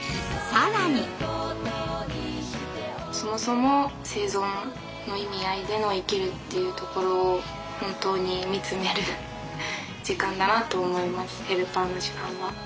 そもそも生存の意味合いでの生きるっていうところを本当に見つめる時間だなと思います。